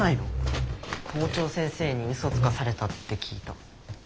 校長先生にうそつかされたって聞いた。